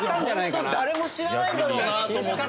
ホント誰も知らないんだろうなと思って。